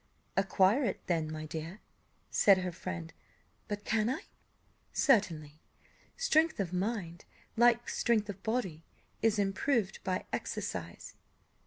"Acquire it then, my dear," said her friend. "But can I?" "Certainly; strength of mind, like strength of body, is improved by exercise."